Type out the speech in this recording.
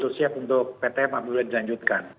jadi kita harus siap untuk ptm apabila dilanjutkan